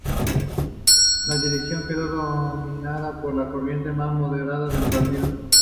La dirección quedó dominada por la corriente más moderada del partido.